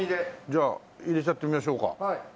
じゃあ入れちゃってみましょうか。